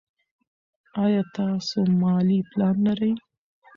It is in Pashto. ایا تاسو مالي پلان لرئ.